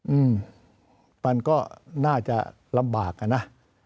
อืมมันก็น่าจะลำบากอ่ะนะ